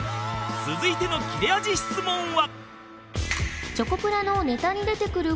続いての切れ味質問は